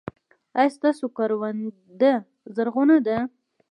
ایا ستاسو کرونده زرغونه ده؟